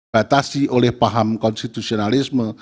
batasi oleh paham konstitusionalisme